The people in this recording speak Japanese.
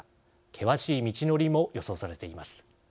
険しい道のりも予想されています。